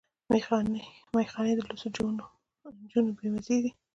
ميخانې د لوڅو جونو بې مزې دي